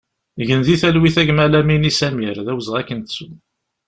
Gen di talwit a gma Lamini Samir, d awezɣi ad k-nettu!